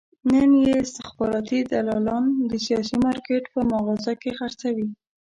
نن یې استخباراتي دلالان د سیاسي مارکېټ په مغازه کې خرڅوي.